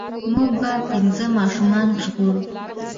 مونږ به پنځه ماشومان ژغورو.